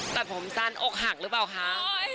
ตัดผมสั้นอกหักหรือเปล่าคะ